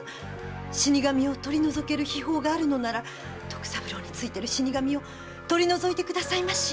死神を取り除ける秘法があるなら徳三郎に憑いてる死神を取り除いてくださいまし。